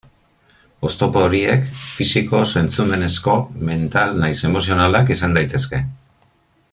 Oztopo horiek fisiko, zentzumenezko, mental nahiz emozionalak izan daitezke.